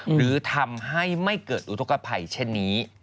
หรือทำให้ไม่เกิดอุทธกภัยเช่นนี้